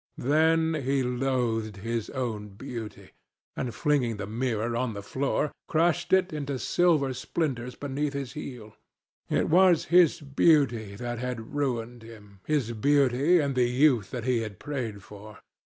Then he loathed his own beauty, and flinging the mirror on the floor, crushed it into silver splinters beneath his heel. It was his beauty that had ruined him, his beauty and the youth that he had prayed for.